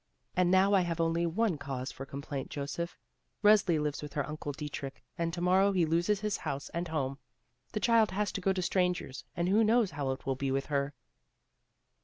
And now I have only one cause for complaint, Joseph. Resli lives with her uncle Dietrich, and to morrow he loses his house and home; the child has to go to strangers, and who knows how it will be with her."